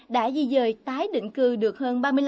đã di dời tái định cư được hơn ba mươi năm